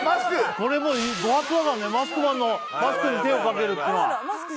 これもう御法度だからねマスクマンのマスクに手をかけるっていうのは。